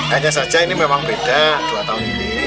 hanya saja ini memang beda dua tahun ini